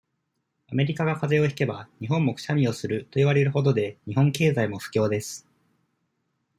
アメリカが風邪をひけば、日本もクシャミをする、といわれる程で、日本経済も不況です。